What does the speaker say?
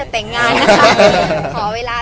โปรดติดตามต่อไป